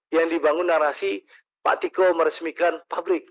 yang dibangun narasi pak tiko meresmikan pabrik